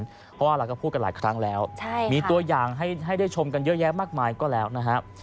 เพราะว่าเราก็พูดกันหลายครั้งแล้วมีตัวอย่างให้ได้ชมกันเยอะแยะมากมายก็แล้วนะครับ